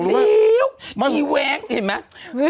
ลิ้วอีแวงท์เห็นไหม